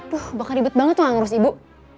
bukan ribet banget ngangrus ibu